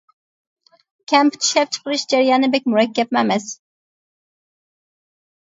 كەمپۈت ئىشلەپچىقىرىش جەريانى بەك مۇرەككەپمۇ ئەمەس.